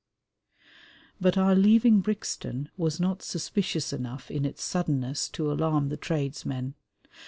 But our "leaving Brixton" was not suspicious enough in its suddenness to alarm the tradesmen.